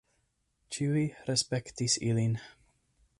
Ĉiuj respektis ilin.